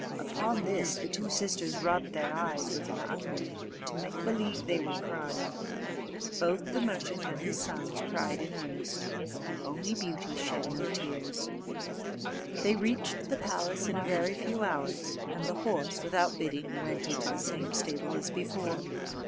Upon this, the two sisters rubbed their eyes with an onion, to make believe they were crying; both the merchant and his sons cried in earnest. Only Beauty shed no tears. They reached the palace in a very few hours, and the horse, without bidding, went into the same stable as before.